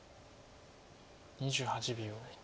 ２８秒。